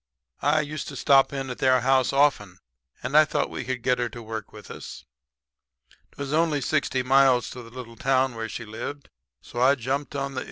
I used to stop at their house often, and I thought we could get her to work with us. "'Twas only sixty miles to the little town where she lived, so I jumped out on the I.